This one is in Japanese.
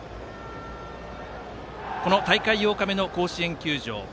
この大会８日目の甲子園球場